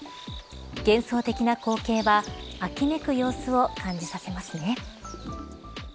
幻想的な光景は秋めく様子を感じさせますね。